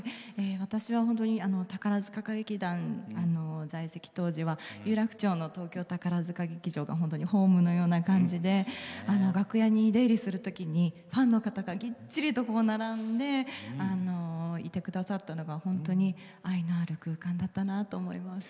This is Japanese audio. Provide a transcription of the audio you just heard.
私は宝塚歌劇団在籍当時は有楽町の東京宝塚劇場が本当にホームのような感じで楽屋に出入りするときにファンの方が、ぎっちりと並んでいてくださったのが本当に愛のある空間だったなと思います。